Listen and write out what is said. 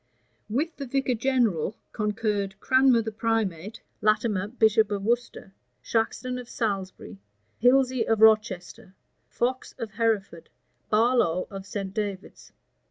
With the vicar general concurred Cranmer the primate, Latimer, bishop of Worcester, Shaxton of Salisbury, Hilsey of Rochester, Fox of Hereford, Barlow of St. David's.